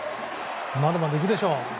まだまだ行くでしょう。